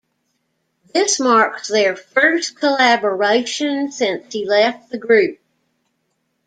This marks their first collaboration since he left the group.